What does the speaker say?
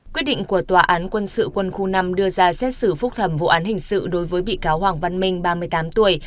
quyết định của tòa án quân sự quân khu năm đưa ra xét xử phúc thẩm vụ án hình sự đối với bị cáo hoàng văn minh ba mươi tám tuổi